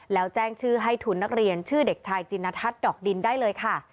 แล้วแจ้งชื่อให้ทุนนักเรียนชื่อเด็กชายจินทัศน์ดอกดินได้เลยค่ะ